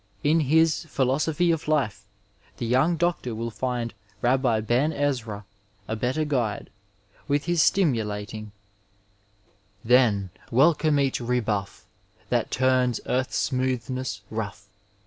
Li his philosophy of life the young doctor will find Rabbi Ben Ezra ^ a better guide, with his stimulating Then, welooxne each rebuff That turns earth's smootimeBS rough.